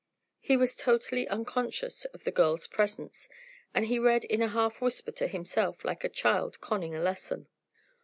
He was totally unconscious of the girls' presence, and he read in a half whisper to himself, like a child conning a lesson.